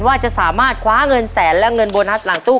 ว่าจะสามารถคว้าเงินแสนและเงินโบนัสหลังตู้